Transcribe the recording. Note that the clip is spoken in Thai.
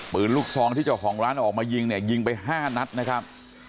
ปืนลูกซองที่เจ้าของร้านออกมายิงเนี่ยยิงไป๕นัดนะครับ